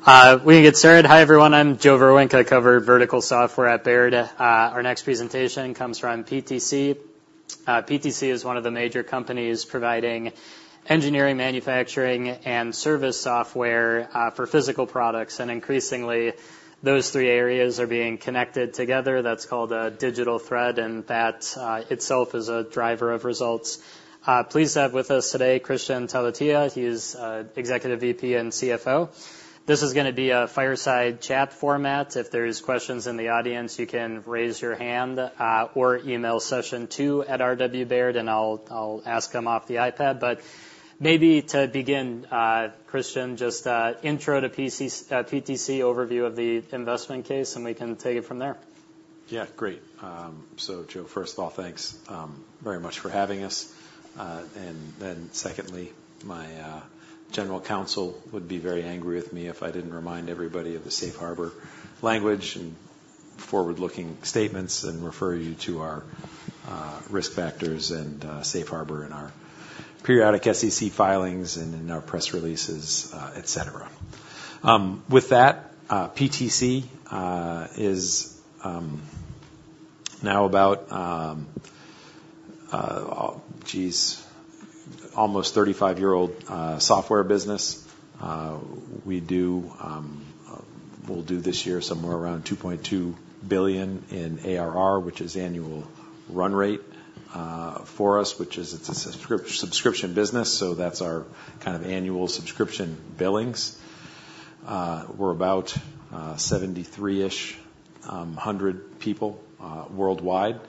We can get started. Hi, everyone. I'm Joe Vruwink, I cover vertical software at Baird. Our next presentation comes from PTC. PTC is one of the major companies providing engineering, manufacturing, and service software for physical products. Increasingly, those three areas are being connected together. That's called a digital thread, and that itself is a driver of results. Pleased to have with us today, Kristian Talvitie. He's Executive VP and CFO. This is going to be a fireside chat format. If there are questions in the audience, you can raise your hand or email session2@rwbaird, and I'll ask them off the iPad. Maybe to begin, Kristian, just an intro to PTC, an overview of the investment case, and we can take it from there. Yeah, great. Joe, first of all, thanks very much for having us. Secondly, my general counsel would be very angry with me if I did not remind everybody of the safe harbor language and forward-looking statements and refer you to our risk factors and safe harbor in our periodic SEC filings and in our press releases, et cetera. With that, PTC is now about, geez, almost 35-year-old software business. We will do this year somewhere around $2.2 billion in ARR, which is annual run rate for us, which is a subscription business. That is our kind of annual subscription billings. We are about 7,300 people worldwide.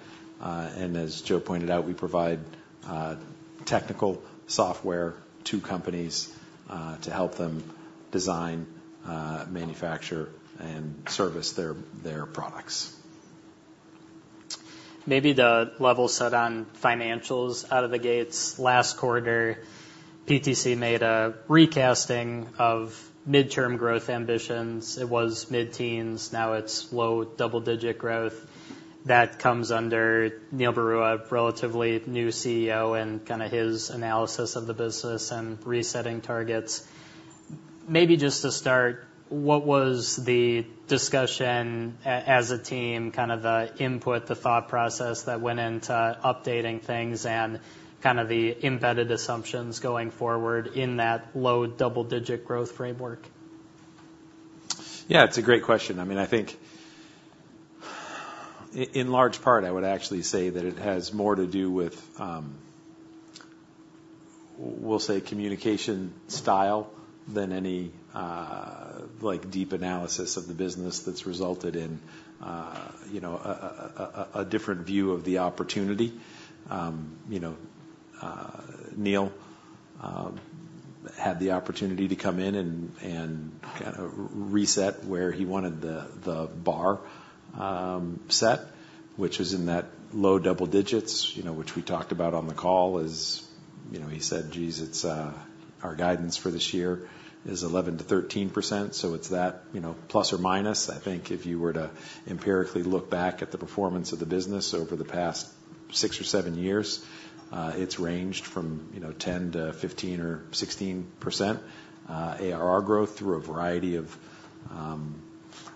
As Joe pointed out, we provide technical software to companies to help them design, manufacture, and service their products. Maybe the level set on financials out of the gates. Last quarter, PTC made a recasting of midterm growth ambitions. It was mid-teens. Now it's low double-digit growth. That comes under Neil Barua, relatively new CEO, and kind of his analysis of the business and resetting targets. Maybe just to start, what was the discussion as a team, kind of the input, the thought process that went into updating things and kind of the embedded assumptions going forward in that low double-digit growth framework? Yeah, it's a great question. I mean, I think in large part, I would actually say that it has more to do with, we'll say, communication style than any deep analysis of the business that's resulted in a different view of the opportunity. Neil had the opportunity to come in and kind of reset where he wanted the bar set, which is in that low double-digits, which we talked about on the call. He said, "Geez, our guidance for this year is 11%-13%." So it's that plus or minus. I think if you were to empirically look back at the performance of the business over the past six or seven years, it's ranged from 10%-15% or 16% AR growth through a variety of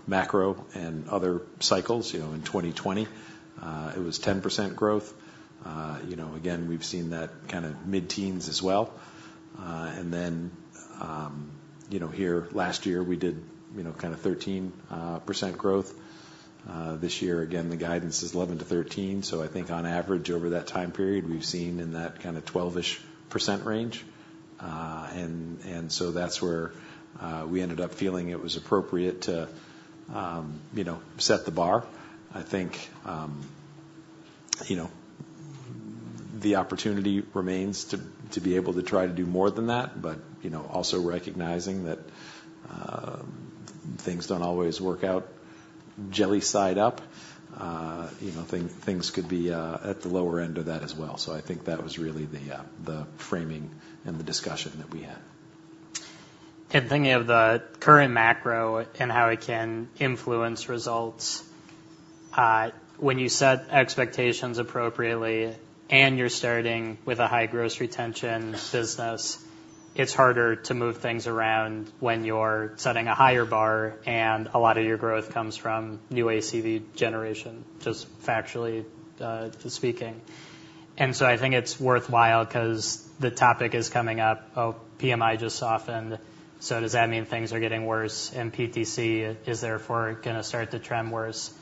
macro and other cycles. In 2020, it was 10% growth. Again, we've seen that kind of mid-teens as well. Here last year, we did kind of 13% growth. This year, again, the guidance is 11%-13%. I think on average over that time period, we've seen in that kind of 12%-ish range. That is where we ended up feeling it was appropriate to set the bar. I think the opportunity remains to be able to try to do more than that, but also recognizing that things do not always work out jelly side up. Things could be at the lower end of that as well. I think that was really the framing and the discussion that we had. Thinking of the current macro and how it can influence results, when you set expectations appropriately and you're starting with a high gross retention business, it's harder to move things around when you're setting a higher bar and a lot of your growth comes from new AcV generation, just factually speaking. I think it's worthwhile because the topic is coming up. Oh, PMI just softened. Does that mean things are getting worse? Is PTC therefore going to start to trend worse?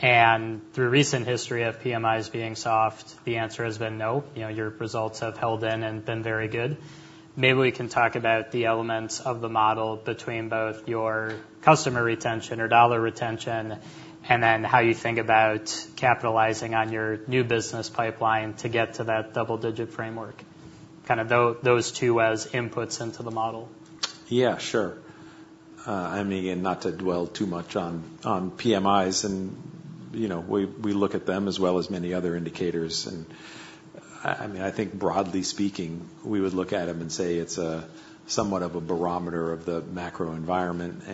Through recent history of PMIs being soft, the answer has been no. Your results have held in and been very good. Maybe we can talk about the elements of the model between both your customer retention or dollar retention and then how you think about capitalizing on your new business pipeline to get to that double-digit framework, kind of those two as inputs into the model. Yeah, sure. I mean, not to dwell too much on PMIs, and we look at them as well as many other indicators. I mean, I think broadly speaking, we would look at them and say it's somewhat of a barometer of the macro environment.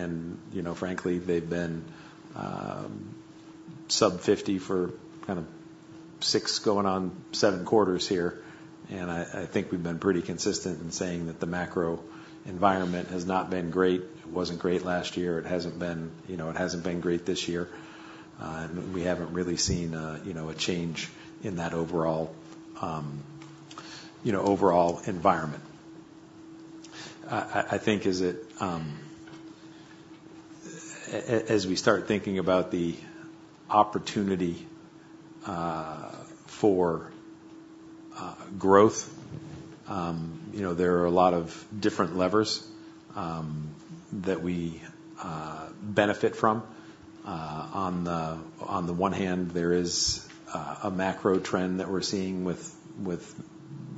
Frankly, they've been sub-50 for kind of six going on seven quarters here. I think we've been pretty consistent in saying that the macro environment has not been great. It wasn't great last year. It hasn't been great this year. We haven't really seen a change in that overall environment. I think as we start thinking about the opportunity for growth, there are a lot of different levers that we benefit from. On the one hand, there is a macro trend that we're seeing with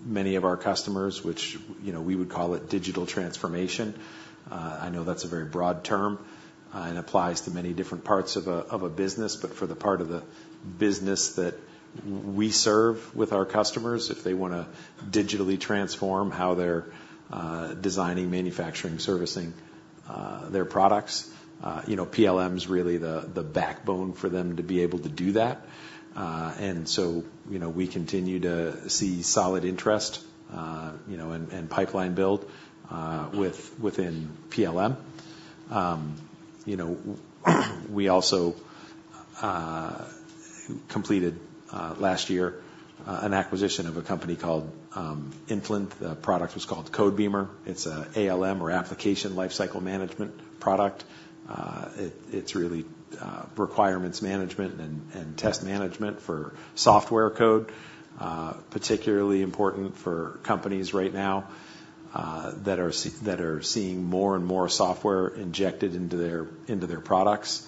many of our customers, which we would call it digital transformation. I know that's a very broad term and applies to many different parts of a business. For the part of the business that we serve with our customers, if they want to digitally transform how they're designing, manufacturing, servicing their products, PLM is really the backbone for them to be able to do that. We continue to see solid interest and pipeline build within PLM. We also completed last year an acquisition of a company called Intland. The product was called Codebeamer. It's an ALM or Application Lifecycle Management product. It's really requirements management and test management for software code, particularly important for companies right now that are seeing more and more software injected into their products.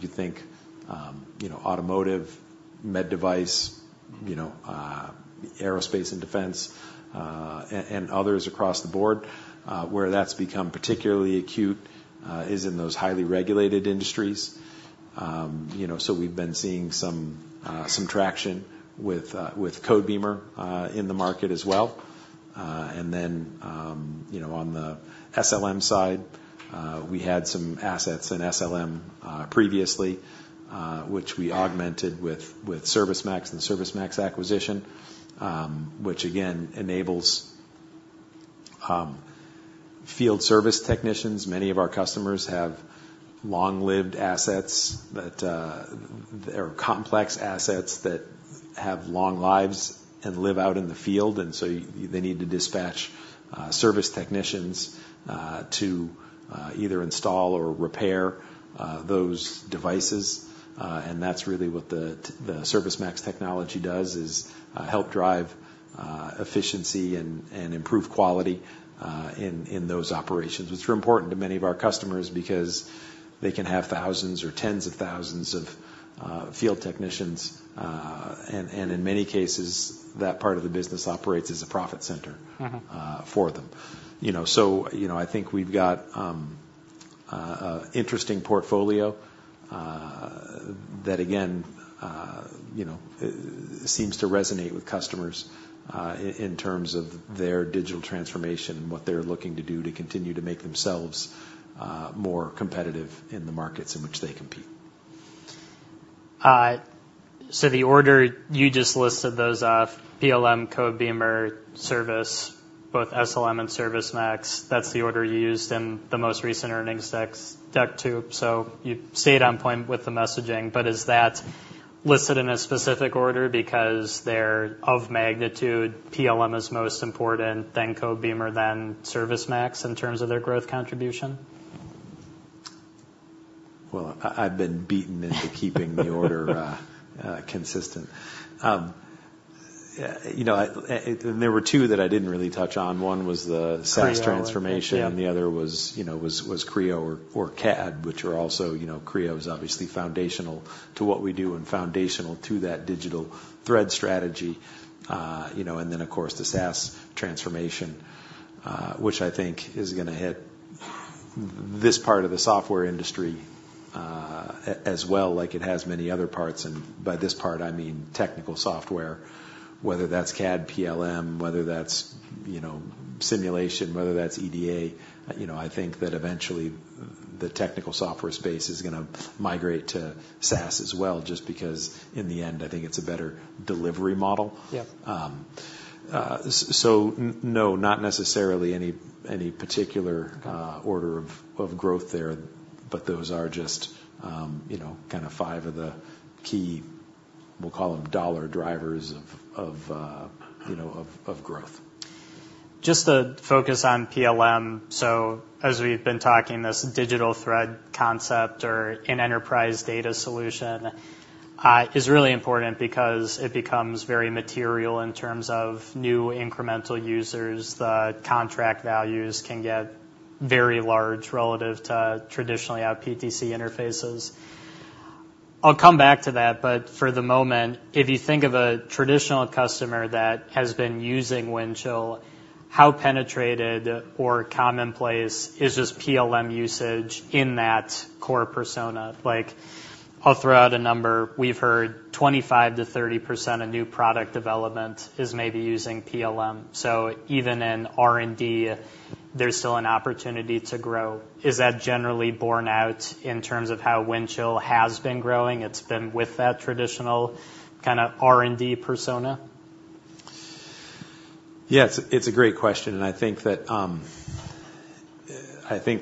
You think automotive, med device, aerospace, and defense, and others across the board. Where that's become particularly acute is in those highly regulated industries. We have been seeing some traction with Codebeamer in the market as well. On the SLM side, we had some assets in SLM previously, which we augmented with ServiceMax and the ServiceMax acquisition, which again enables field service technicians. Many of our customers have long-lived assets that are complex assets that have long lives and live out in the field. They need to dispatch service technicians to either install or repair those devices. That is really what the ServiceMax technology does, is help drive efficiency and improve quality in those operations, which are important to many of our customers because they can have thousands or tens of thousands of field technicians. In many cases, that part of the business operates as a profit center for them. I think we've got an interesting portfolio that, again, seems to resonate with customers in terms of their digital transformation and what they're looking to do to continue to make themselves more competitive in the markets in which they compete. The order you just listed those off, PLM, Codebeamer, service, both SLM and ServiceMax, that's the order you used in the most recent earnings deck too. You stayed on point with the messaging. Is that listed in a specific order because they're of magnitude, PLM is most important, then Codebeamer, then ServiceMax in terms of their growth contribution? I have been beaten into keeping the order consistent. There were two that I did not really touch on. One was the SaaS transformation, and the other was Creo or CAD, which are also Creo is obviously foundational to what we do and foundational to that digital thread strategy. Of course, the SaaS transformation, which I think is going to hit this part of the software industry as well, like it has many other parts. By this part, I mean technical software, whether that is CAD, PLM, whether that is simulation, whether that is EDA. I think that eventually the technical software space is going to migrate to SaaS as well, just because in the end, I think it is a better delivery model. No, not necessarily any particular order of growth there, but those are just kind of five of the key, we will call them dollar drivers of growth. Just to focus on PLM. As we've been talking, this digital thread concept or an enterprise data solution is really important because it becomes very material in terms of new incremental users. The contract values can get very large relative to traditionally how PTC interfaces. I'll come back to that. For the moment, if you think of a traditional customer that has been using Windchill, how penetrated or commonplace is just PLM usage in that core persona? I'll throw out a number. We've heard 25%-30% of new product development is maybe using PLM. Even in R&D, there's still an opportunity to grow. Is that generally borne out in terms of how Windchill has been growing? It's been with that traditional kind of R&D persona? Yeah, it's a great question. I think that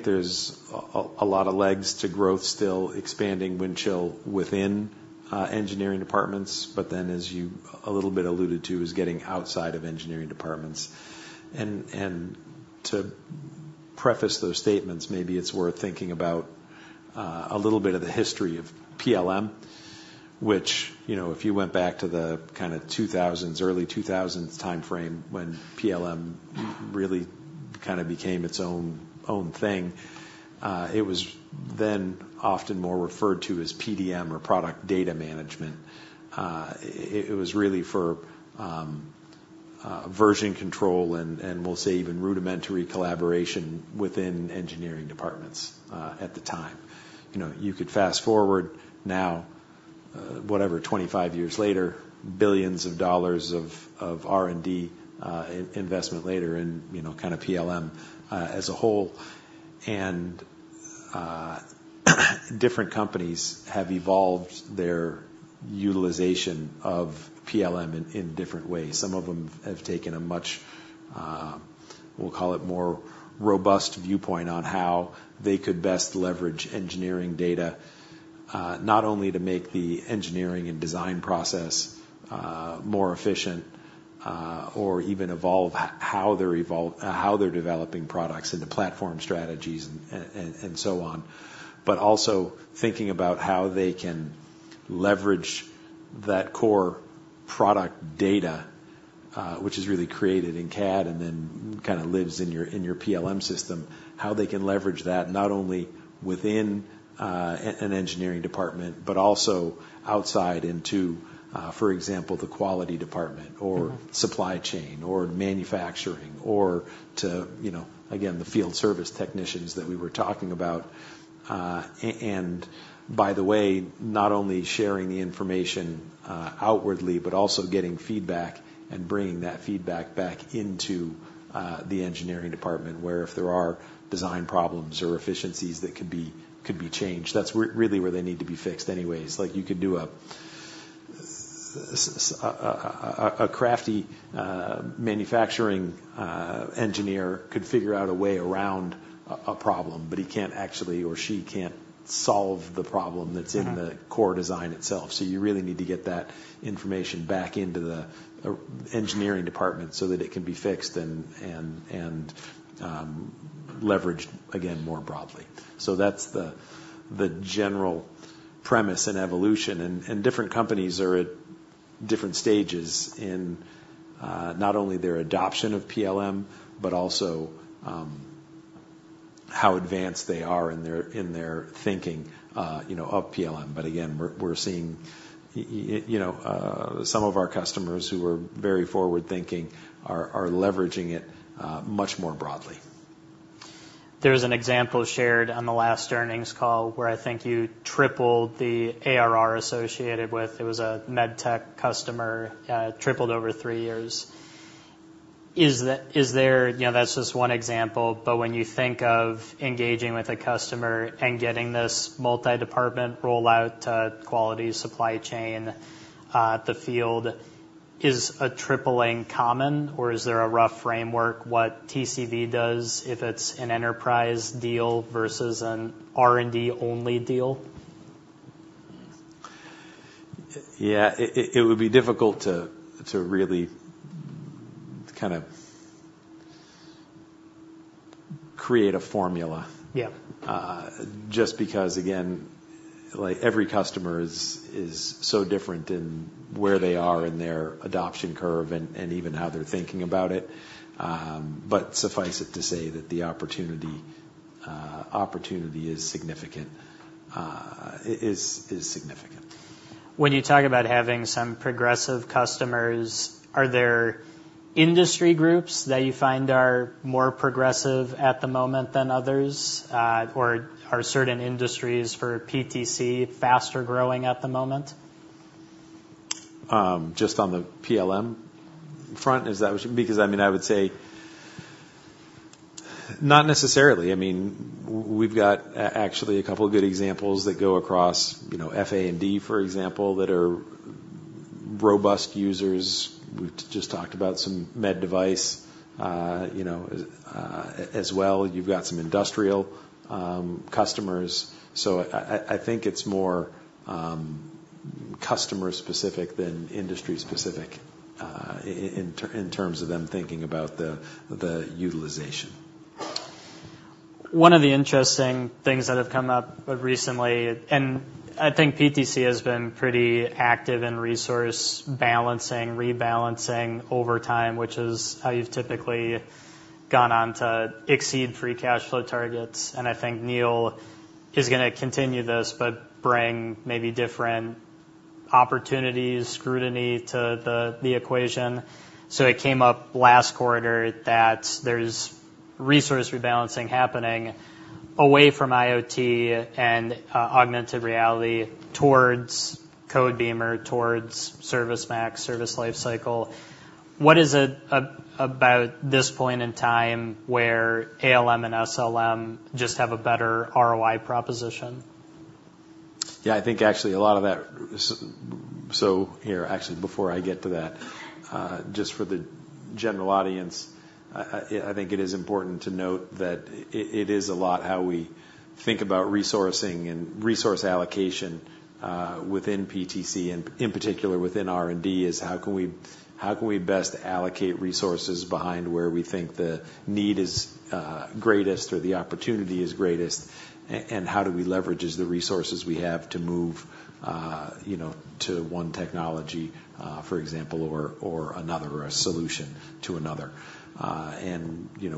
there's a lot of legs to growth still, expanding Windchill within engineering departments, but then, as you a little bit alluded to, is getting outside of engineering departments. To preface those statements, maybe it's worth thinking about a little bit of the history of PLM, which if you went back to the kind of 2000s, early 2000s timeframe when PLM really kind of became its own thing, it was then often more referred to as PDM or product data management. It was really for version control and we'll say even rudimentary collaboration within engineering departments at the time. You could fast forward now, whatever, 25 years later, billions of dollars of R&D investment later in kind of PLM as a whole. Different companies have evolved their utilization of PLM in different ways. Some of them have taken a much, we'll call it more robust viewpoint on how they could best leverage engineering data, not only to make the engineering and design process more efficient or even evolve how they're developing products into platform strategies and so on, but also thinking about how they can leverage that core product data, which is really created in CAD and then kind of lives in your PLM system, how they can leverage that not only within an engineering department, but also outside into, for example, the quality department or supply chain or manufacturing or to, again, the field service technicians that we were talking about. By the way, not only sharing the information outwardly, but also getting feedback and bringing that feedback back into the engineering department where if there are design problems or efficiencies that could be changed, that's really where they need to be fixed anyways. You could do a crafty manufacturing engineer could figure out a way around a problem, but he can't actually or she can't solve the problem that's in the core design itself. You really need to get that information back into the engineering department so that it can be fixed and leveraged again more broadly. That's the general premise and evolution. Different companies are at different stages in not only their adoption of PLM, but also how advanced they are in their thinking of PLM. Again, we're seeing some of our customers who are very forward-thinking are leveraging it much more broadly. There is an example shared on the last earnings call where I think you tripled the ARR associated with it was a med tech customer, tripled over three years. That's just one example. When you think of engaging with a customer and getting this multi-department rollout to quality supply chain at the field, is a tripling common or is there a rough framework what TCV does if it's an enterprise deal versus an R&D-only deal? Yeah, it would be difficult to really kind of create a formula just because, again, every customer is so different in where they are in their adoption curve and even how they're thinking about it. Suffice it to say that the opportunity is significant. It is significant. When you talk about having some progressive customers, are there industry groups that you find are more progressive at the moment than others? Are certain industries for PTC faster growing at the moment? Just on the PLM front, is that what you mean? Because I mean, I would say not necessarily. I mean, we've got actually a couple of good examples that go across FA&D, for example, that are robust users. We've just talked about some med device as well. You've got some industrial customers. So I think it's more customer-specific than industry-specific in terms of them thinking about the utilization. One of the interesting things that have come up recently, and I think PTC has been pretty active in resource balancing, rebalancing over time, which is how you've typically gone on to exceed free cash flow targets. I think Neil is going to continue this, but bring maybe different opportunities, scrutiny to the equation. It came up last quarter that there's resource rebalancing happening away from IoT and augmented reality towards Codebeamer, towards ServiceMax, service lifecycle. What is it about this point in time where ALM and SLM just have a better ROI proposition? Yeah, I think actually a lot of that. Actually, before I get to that, just for the general audience, I think it is important to note that a lot of how we think about resourcing and resource allocation within PTC, and in particular within R&D, is how can we best allocate resources behind where we think the need is greatest or the opportunity is greatest, and how do we leverage the resources we have to move to one technology, for example, or another or a solution to another?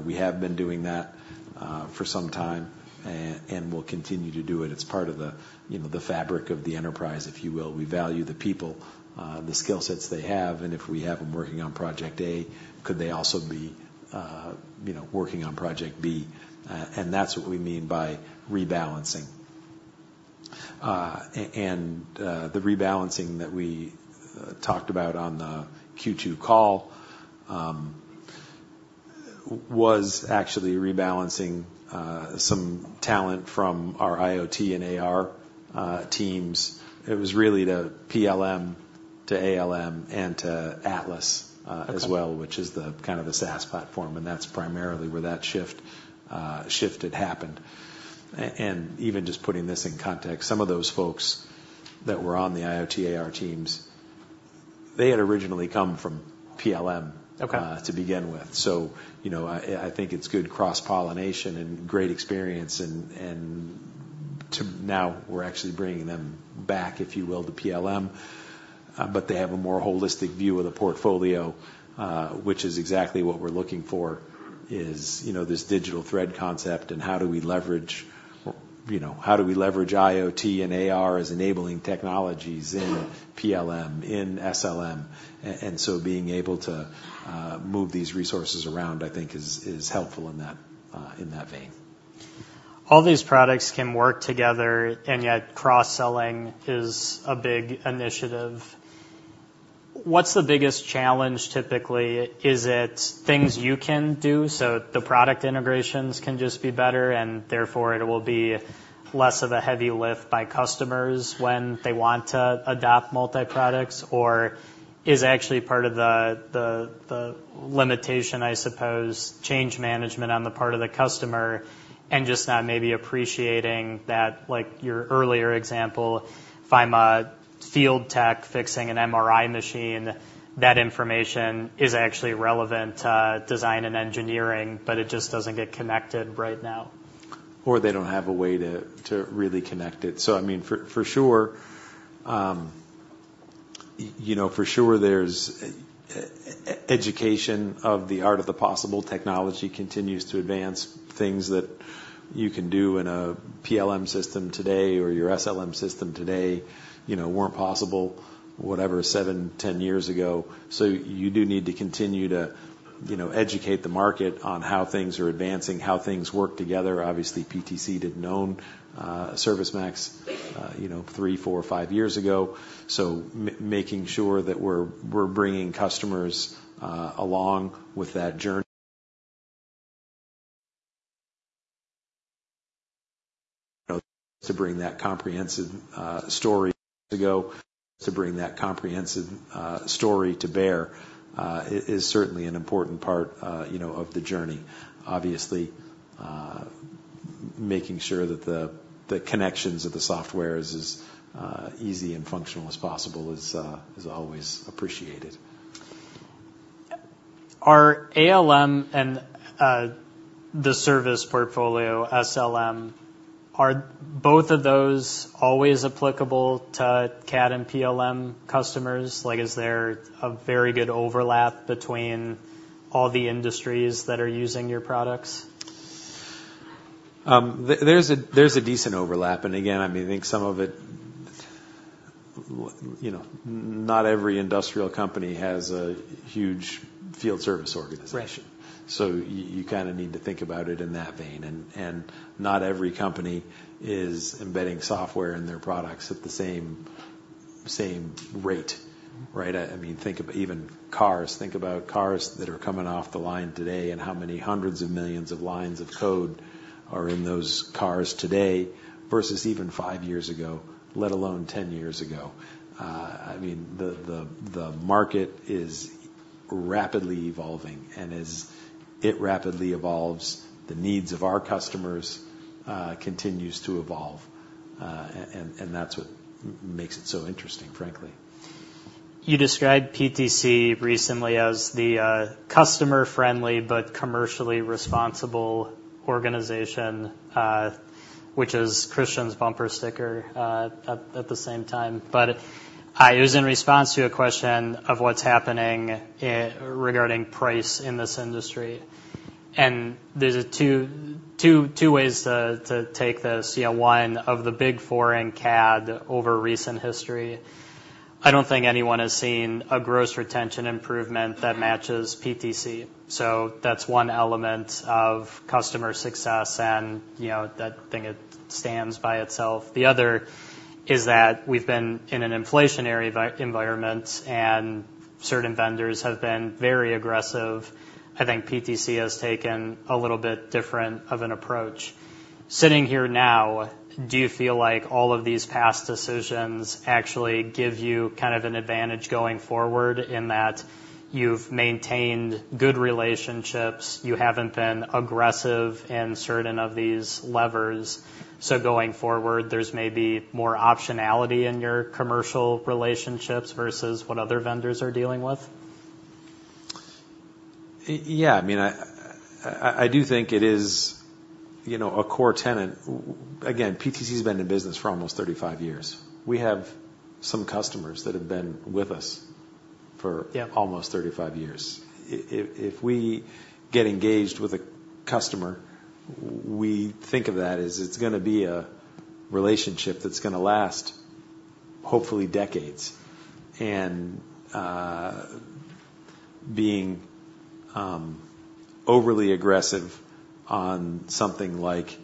We have been doing that for some time and will continue to do it. It's part of the fabric of the enterprise, if you will. We value the people, the skill sets they have. If we have them working on project A, could they also be working on project B? That's what we mean by rebalancing. The rebalancing that we talked about on the Q2 call was actually rebalancing some talent from our IoT and AR teams. It was really to PLM, to ALM, and to Atlas as well, which is kind of a SaaS platform. That's primarily where that shift had happened. Even just putting this in context, some of those folks that were on the IoT AR teams, they had originally come from PLM to begin with. I think it's good cross-pollination and great experience. Now we're actually bringing them back, if you will, to PLM, but they have a more holistic view of the portfolio, which is exactly what we're looking for, is this digital thread concept and how do we leverage IoT and AR as enabling technologies in PLM, in SLM. Being able to move these resources around, I think, is helpful in that vein. All these products can work together, and yet cross-selling is a big initiative. What's the biggest challenge typically? Is it things you can do? The product integrations can just be better, and therefore it will be less of a heavy lift by customers when they want to adopt multi-products, or is actually part of the limitation, I suppose, change management on the part of the customer and just not maybe appreciating that, like your earlier example, field tech fixing an MRI machine, that information is actually relevant to design and engineering, but it just doesn't get connected right now. They don't have a way to really connect it. I mean, for sure, for sure there's education of the art of the possible. Technology continues to advance. Things that you can do in a PLM system today or your SLM system today weren't possible, whatever, seven, 10 years ago. You do need to continue to educate the market on how things are advancing, how things work together. Obviously, PTC didn't own ServiceMax three, four, five years ago. Making sure that we're bringing customers along with that journey to bring that comprehensive story to bear is certainly an important part of the journey. Obviously, making sure that the connections of the software is as easy and functional as possible is always appreciated. Are ALM and the service portfolio, SLM, are both of those always applicable to CAD and PLM customers? Is there a very good overlap between all the industries that are using your products? There's a decent overlap. I mean, I think some of it, not every industrial company has a huge field service organization. You kind of need to think about it in that vein. Not every company is embedding software in their products at the same rate, right? I mean, think of even cars. Think about cars that are coming off the line today and how many hundreds of millions of lines of code are in those cars today versus even five years ago, let alone 10 years ago. The market is rapidly evolving. As it rapidly evolves, the needs of our customers continue to evolve. That's what makes it so interesting, frankly. You described PTC recently as the customer-friendly but commercially responsible organization, which is Kristian's bumper sticker at the same time. It was in response to a question of what's happening regarding price in this industry. There are two ways to take this. One of the big four in CAD over recent history. I do not think anyone has seen a gross retention improvement that matches PTC. That is one element of customer success and that thing stands by itself. The other is that we have been in an inflationary environment and certain vendors have been very aggressive. I think PTC has taken a little bit different of an approach. Sitting here now, do you feel like all of these past decisions actually give you kind of an advantage going forward in that you have maintained good relationships? You have not been aggressive in certain of these levers. Going forward, there's maybe more optionality in your commercial relationships versus what other vendors are dealing with? Yeah. I mean, I do think it is a core tenet. Again, PTC has been in business for almost 35 years. We have some customers that have been with us for almost 35 years. If we get engaged with a customer, we think of that as it's going to be a relationship that's going to last hopefully decades. Being overly aggressive on something like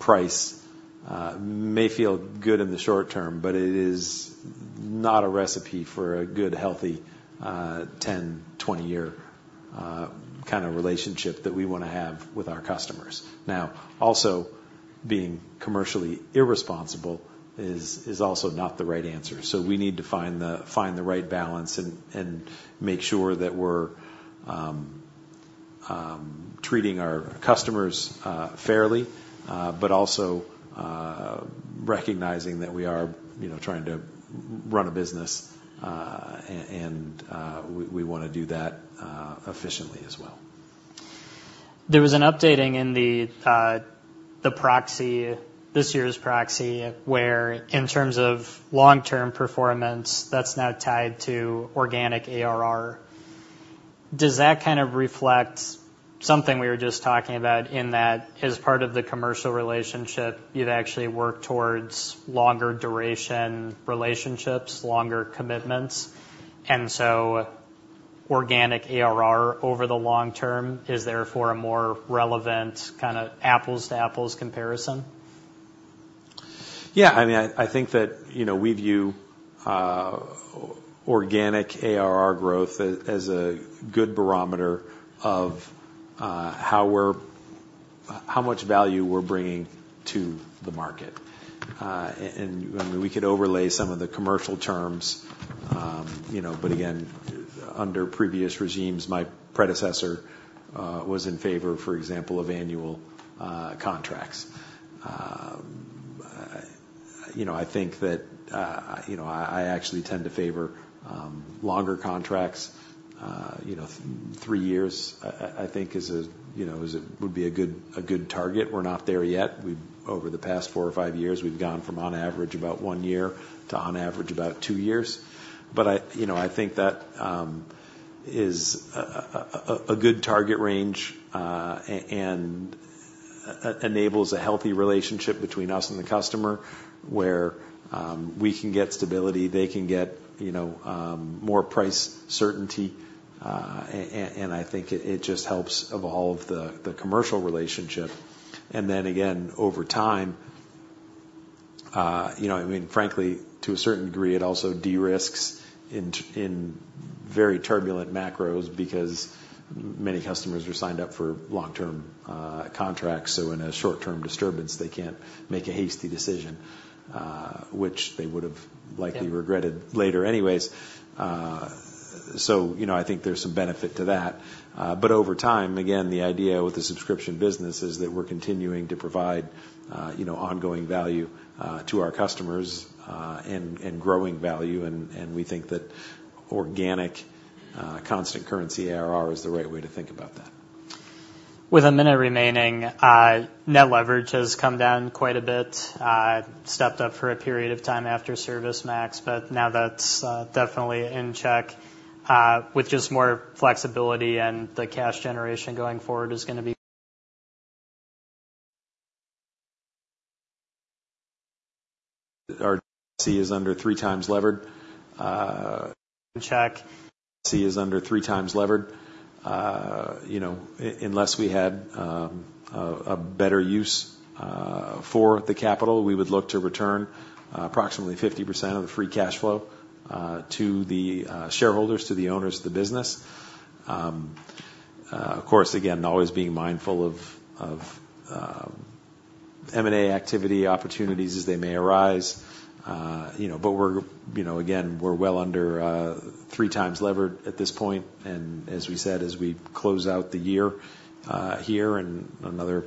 price may feel good in the short term, but it is not a recipe for a good, healthy 10, 20-year kind of relationship that we want to have with our customers. Now, also being commercially irresponsible is also not the right answer. We need to find the right balance and make sure that we're treating our customers fairly, but also recognizing that we are trying to run a business and we want to do that efficiently as well. There was an updating in the proxy, this year's proxy, where in terms of long-term performance, that's now tied to organic ARR. Does that kind of reflect something we were just talking about in that as part of the commercial relationship, you've actually worked towards longer duration relationships, longer commitments. Organic ARR over the long term is therefore a more relevant kind of apples-to-apples comparison? Yeah. I mean, I think that we view organic ARR growth as a good barometer of how much value we're bringing to the market. We could overlay some of the commercial terms. Again, under previous regimes, my predecessor was in favor, for example, of annual contracts. I think that I actually tend to favor longer contracts. Three years, I think, would be a good target. We're not there yet. Over the past four or five years, we've gone from on average about one year to on average about two years. I think that is a good target range and enables a healthy relationship between us and the customer where we can get stability, they can get more price certainty. I think it just helps evolve the commercial relationship. Over time, I mean, frankly, to a certain degree, it also de-risks in very turbulent macros because many customers are signed up for long-term contracts. In a short-term disturbance, they can't make a hasty decision, which they would have likely regretted later anyways. I think there's some benefit to that. Over time, again, the idea with the subscription business is that we're continuing to provide ongoing value to our customers and growing value. We think that organic constant currency ARR is the right way to think about that. With a minute remaining, net leverage has come down quite a bit. Stepped up for a period of time after ServiceMax, but now that's definitely in check with just more flexibility and the cash generation going forward is going to be. Our C is under three times levered. In check. C is under three times levered. Unless we had a better use for the capital, we would look to return approximately 50% of the free cash flow to the shareholders, to the owners of the business. Of course, again, always being mindful of M&A activity opportunities as they may arise. Again, we're well under three times levered at this point. As we said, as we close out the year here and another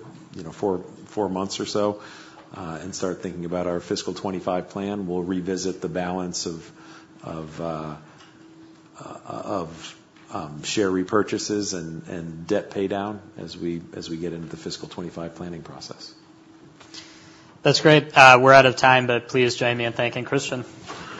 four months or so and start thinking about our fiscal 2025 plan, we'll revisit the balance of share repurchases and debt paydown as we get into the fiscal 2025 planning process. That's great. We're out of time, but please join me in thanking Kristian.